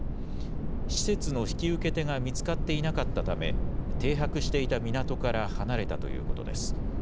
施設の引き受け手が見つかっていなかったため、停泊していた港から離れたということです。